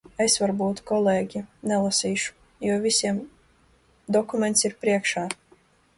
Es varbūt, kolēģi, nelasīšu, jo visiem dokuments ir priekšā.